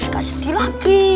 tak seti lagi